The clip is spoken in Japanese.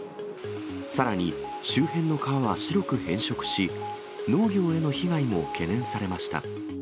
さらに、周辺の川は白く変色し、農業への被害も懸念されました。